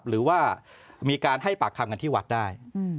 หรือว่ามีการให้ปากคำกันที่วัดได้